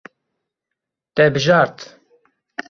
Te bijart.